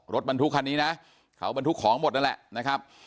รถบรรทุกคันนี้นะเขาบรรทุกของหมดนั่นแหละนะครับ